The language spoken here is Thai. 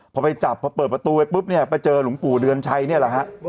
พอไปจับพอเปิดประตูไปปุ๊บเนี่ยไปเจอหลวงปู่เดือนชัยเนี่ยแหละฮะ